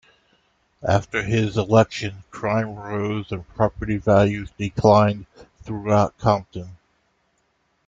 After his election crime rose and property values declined throughout Compton.